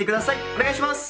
お願いします！